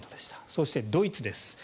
そしてドイツです。